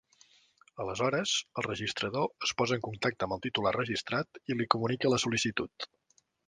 Aleshores, el registrador es posa en contacte amb el titular registrat i li comunica la sol·licitud.